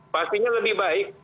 pastinya lebih baik